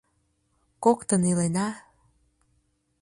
Коктын илена...